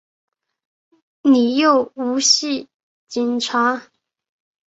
你又唔系警察！